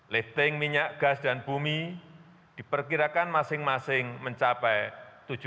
lifting minyak gas dan bumi diperkirakan masing masing mencapai rp tujuh ratus tiga barel dan rp satu ratus tujuh puluh empat delapan ratus lima belas